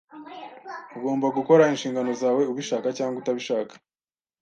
Ugomba gukora inshingano zawe, ubishaka cyangwa utabishaka.